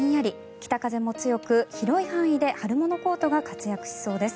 北風も強く、広い範囲で春物コートが活躍しそうです。